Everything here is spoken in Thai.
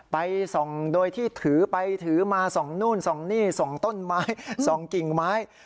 ไปส่องโดยที่ถือไปถือมาส่องนู่นส่องนี่ส่องต้นไม้ส่องกิ่งไม้